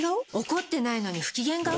怒ってないのに不機嫌顔？